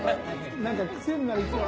何か癖になりそう。